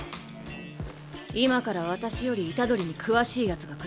今から私より虎杖に詳しいヤツが来るわ。